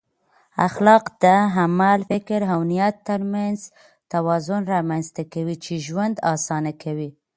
اخلاق د عمل، فکر او نیت ترمنځ توازن رامنځته کوي چې ژوند اسانه کوي.